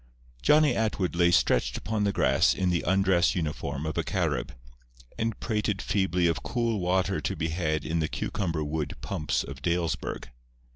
Johnny Atwood lay stretched upon the grass in the undress uniform of a Carib, and prated feebly of cool water to be had in the cucumber wood pumps of Dalesburg.